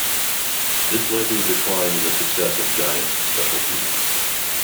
This led to a decline in the success of Giants special teams.